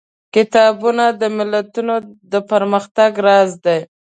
کتابونه د ملتونو د پرمختګ راز دي.